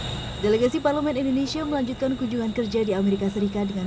hai delegasi parlemen indonesia melanjutkan kunjungan kerja di amerika serikat dengan